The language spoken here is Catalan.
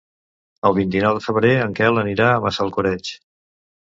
El vint-i-nou de febrer en Quel anirà a Massalcoreig.